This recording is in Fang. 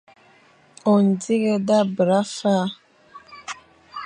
O dighé da bera fa.